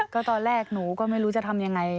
ก็ตอนแรกหนูก็ไม่รู้จะทำยังไง